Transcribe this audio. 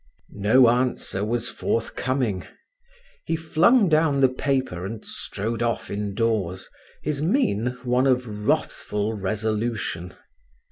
No answer was forthcoming. He flung down the paper and strode off indoors, his mien one of wrathful resolution.